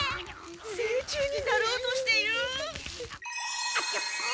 成虫になろうとしている！？